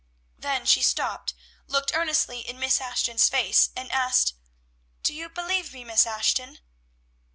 Then she stopped, looked earnestly in Miss Ashton's face, and asked, "Do you believe me, Miss Ashton?"